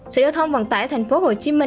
sở giao thông vận tải tp hcm